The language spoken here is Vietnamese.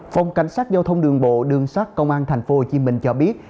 phòng cảnh sát giao thông đường bộ đường sát công an tp hcm cho biết